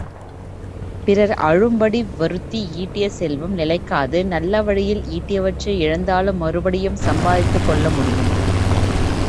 பிறர் அழும்படி வருத்தி ஈட்டிய செல்வம் நிலைக்காது நல்ல வழியில் ஈட்டியவற்றை இழந்தாலும் மறுபடியும் சம்பாதித்துக் கொள்ள முடியும்.